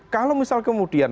kalau misal kemudian